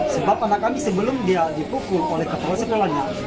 sebab anak kami sebelum dia dipukul oleh ketua sekolahnya